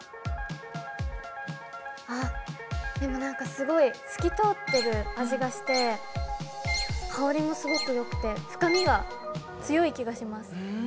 ◆でもなんかすごい、透き通っている味がして、香りもすごくよくて、深みが、強い気がします。